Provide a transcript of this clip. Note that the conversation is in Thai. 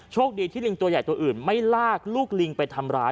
โชคดีที่ลิงตัวใหญ่ตัวอื่นไม่ลากลูกลิงไปทำร้าย